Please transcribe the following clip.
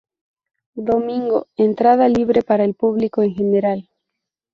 Domingo entrada libre para el público en general.